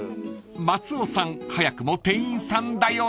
［松尾さん早くも店員さん頼り］